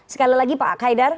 sekali lagi pak haidar